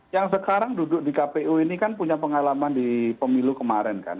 yang sekarang duduk di kpu ini kan punya pengalaman di pemilu kemarin kan